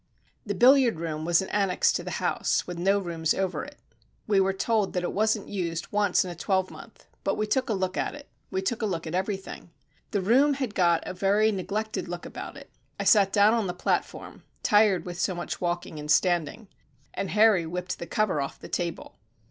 The billiard room was an annexe to the house, with no rooms over it. We were told that it wasn't used once in a twelvemonth, but we took a look at it we took a look at everything. The room had got a very neglected look about it. I sat down on the platform tired with so much walking and standing and Harry whipped the cover off the table.